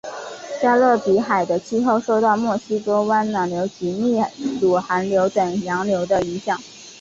加勒比海的气候受到墨西哥湾暖流及秘鲁寒流等洋流的影响。